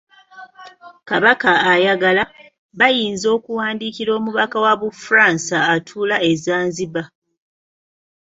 Kabaka ayagala, bayinza okuwandiikira Omubaka wa Bufransa atuula e Zanzibar.